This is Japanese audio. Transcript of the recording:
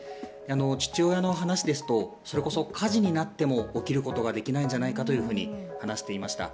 父親の話ですと、それこそ火事になっても起きることができないんじゃないかと話していました。